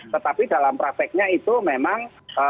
tetapi dalam prakteknya itu memang